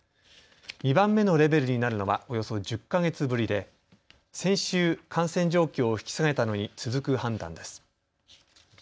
２番目のレベルになるのはおよそ１０か月ぶりで先週、感染状況を引き下げたのに続く判断です。